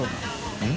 うん？